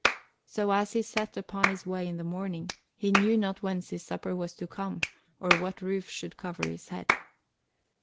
So as he set out upon his way in the morning, he knew not whence his supper was to come or what roof should cover his head.